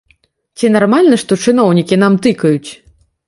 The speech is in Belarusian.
Ці нармальна, што чыноўнікі нам тыкаюць?